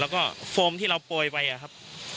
แล้วก็โฟมที่เราโปรยไปอะครับ